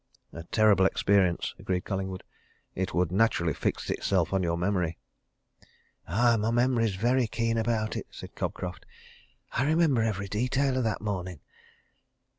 "A terrible experience!" agreed Collingwood. "It would naturally fix itself on your memory." "Aye my memory's very keen about it," said Cobcroft. "I remember every detail of that morning.